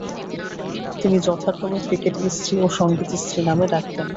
তিনি যথাক্রমে ক্রিকেট স্ত্রী ও সঙ্গীত স্ত্রী নামে ডাকতেন।